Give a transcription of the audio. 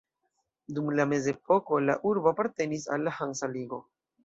Dum la mezepoko, la urbo apartenis al la Hansa Ligo.